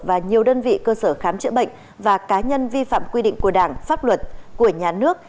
và nhiều đơn vị cơ sở khám chữa bệnh và cá nhân vi phạm quy định của đảng pháp luật của nhà nước